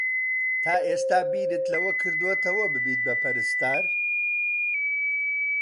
تا ئێستا بیرت لەوە کردووەتەوە ببیت بە پەرستار؟